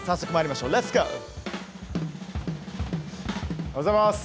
おはようございます。